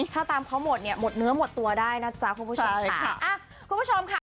ถ้าตามเขาหมดเนี่ยหมดเนื้อหมดตัวได้นะจ๊ะคุณผู้ชมค่ะ